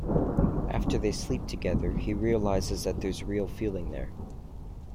After they sleep together, he realises that there's real feeling there.